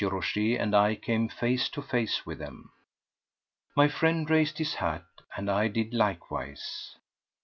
Rochez and I—came face to face with them. My friend raised his hat, and I did likewise.